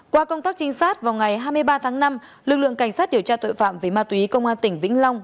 qua công tác trinh sát vào ngày hai mươi ba tháng năm lực lượng cảnh sát điều tra tội phạm về ma túy công an tỉnh vĩnh long